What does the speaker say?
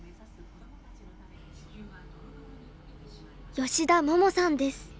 吉田桃さんです。